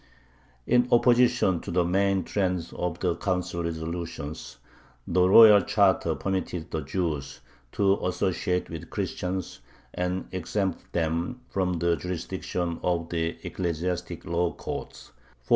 In opposition to the main trend of the Council resolutions, the royal charter permitted the Jews to associate with Christians, and exempted them from the jurisdiction of the ecclesiastic law courts (1453).